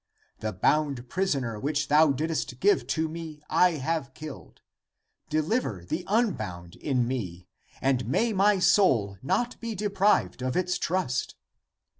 The bound (prisoner) ^^ which thou didst give to me I have killed ; deliver the unbound in me, and may my soul not be deprived of its trust!